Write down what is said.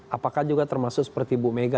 apakah juga termasuk seperti bu mega